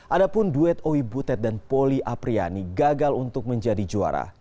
adapun duet owi butet dan poli apriani gagal untuk menjadi juara